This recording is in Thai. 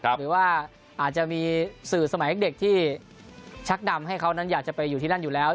หรือว่าอาจจะมีสื่อสมัยเด็กที่ชักดำให้เขานั้นอยากจะไปอยู่ที่นั่นอยู่แล้ว